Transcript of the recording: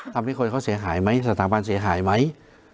ทำให้คนเขาเสียหายไหมสถาบันเสียหายไหม